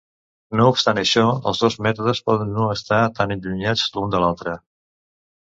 No obstant això, els dos mètodes poden no estar tan allunyats l'u de l'altre.